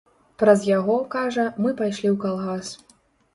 Праз яго, кажа, мы пайшлі ў калгас.